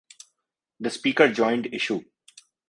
The Speaker joined issue.